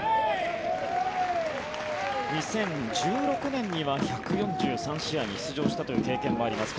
２０１６年には１４３試合に出場したという経験があります